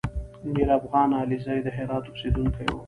میرافغان علیزی د هرات اوسېدونکی و